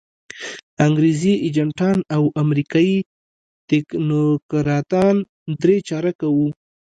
انګریزي ایجنټان او امریکایي تکنوکراتان درې چارکه وو.